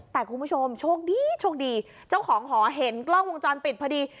แต่คุณผู้ชมโชคดีโชคดีเจ้าของหอเห็นกล้องวงจรปิดพอดี